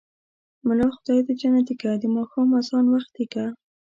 ملا خداى دى جنتې که ـ د ماښام ازان وختې که.